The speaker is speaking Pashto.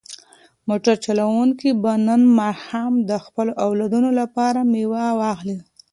موټر چلونکی به نن ماښام د خپلو اولادونو لپاره مېوه واخلي.